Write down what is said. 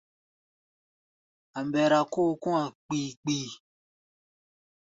A̧ mbɛra kóo kɔ̧́-a̧ kpii-kpii.